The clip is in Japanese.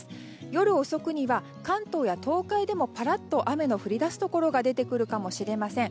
夜遅くには関東や東海でもぱらっと雨の降りだすところが出てくるかもしれません。